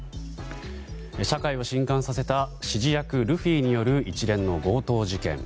社会を震撼させた指示役ルフィによる一連の強盗事件。